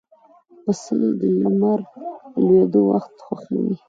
پسه د لمر لوېدو وخت خوښوي.